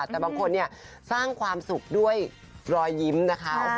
แต่บางคนสร้างความสุขด้วยรอยยิ้มนะคะ